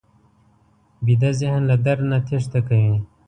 ویده ذهن له درد نه تېښته کوي